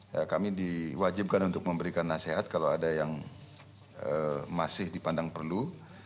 ya kami diwajibkan untuk memberikan nasihat kalau ada yang masih dipandang perlu